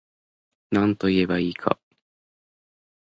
なんといえば良いか